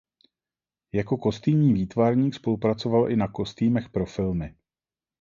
Jako kostýmní výtvarník spolupracoval i na kostýmech pro filmy.